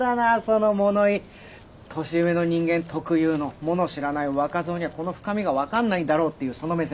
年上の人間特有の物を知らない若造にはこの深みが分かんないんだろうっていうその目線。